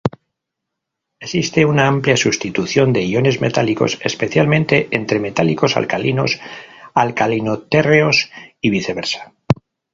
Existe una amplia sustitución de iones metálicos, especialmente entre metales alcalinos-alcalinoterreos y viceversa.